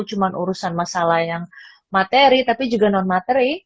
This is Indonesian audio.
cuma urusan masalah yang materi tapi juga non materi